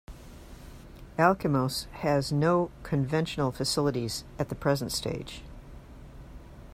Alkimos has no conventional facilities at the present stage.